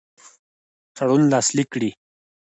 تړون لاسلیک کړي.